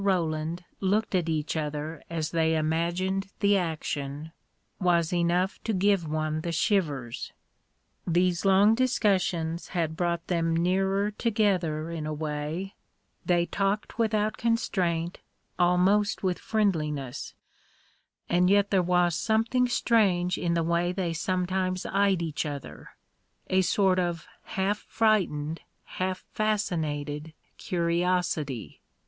Roland looked at each other as they imagined the action, was enough to give one the shivers. These long discus sions had brought them nearer together, in a way; A KING IN BABYLON 85 they talked without constraint, almost with friend liness; and yet there was something strange in the way they sometimes eyed each other — a sort of half frightened, half fascinated curiosity.